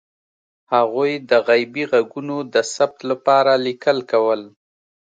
هغوی د غیبي غږونو د ثبت لپاره لیکل کول.